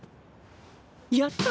やった！